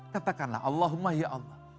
katakanlah allahumma ya allah